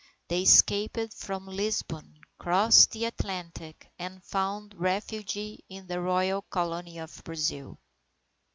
They escaped from Lisbon, crossed the Atlantic, and found refuge in the royal Colony of Brazil.